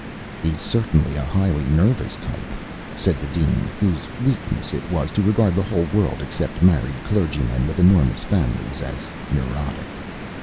"He's certainly a highly nervous type," said the Dean, whose weakness it was to regard the whole world, except married clergymen with enormous families, as "neurotic."